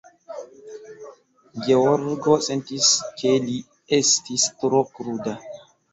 Georgo sentis, ke li estis tro kruda.